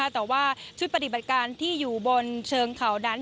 แต่ว่าชุดปฏิบัติการที่อยู่บนเชิงเขานั้น